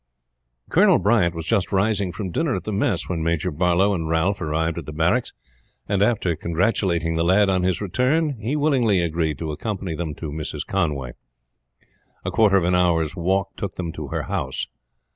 Colonel Bryant was just rising from dinner at the mess when Major Barlow and Ralph arrived at the barracks, and after congratulating the lad on his return he willingly agreed to accompany them to Mrs. Conway. A quarter of an hour's walk took them to her house.